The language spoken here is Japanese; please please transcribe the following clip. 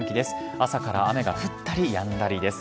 朝から雨が降ったりやんだりです。